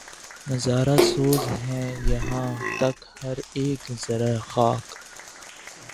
نظارہ سوز ہے یاں تک ہر ایک ذرّۂ خاک